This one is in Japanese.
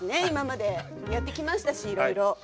今までやってきましたしいろいろ。